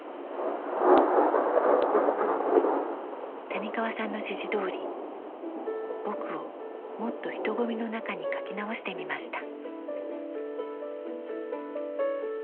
谷川さんの指示どおり「ぼく」をもっと人混みの中に描き直してみました。